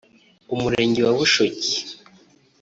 umurenge wa Bushoki